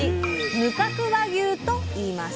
「無角和牛」といいます。